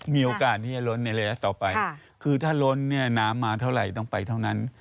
มีโอกาสที่จะล้นในระยะต่อไปคือถ้าล้นเนี่ยน้ำมาเท่าไหร่ต้องไปเท่านั้น